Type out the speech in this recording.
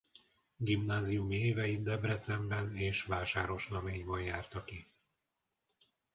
Gimnáziumi éveit Debrecenben és Vásárosnaményban járta ki.